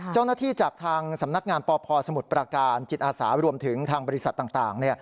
จากทางสำนักงานปพสมุทรประการจิตอาสารวมถึงทางบริษัทต่าง